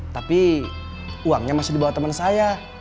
tapi uangnya masih dibawa teman saya